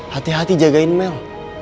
hati hati jagain mel